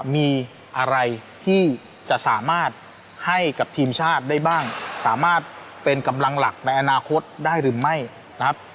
มีอะไรที่จะสามารถให้กับทีมชาติได้บ้างสามารถเป็นกำลังหลักในอนาคตได้หรือไม่นะครับ